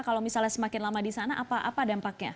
kalau misalnya semakin lama di sana apa dampaknya